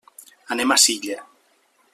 Anem a Silla.